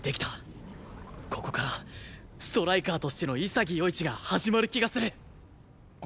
ここからストライカーとしての潔世一が始まる気がする！